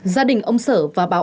gia đình ông sở và báo cáo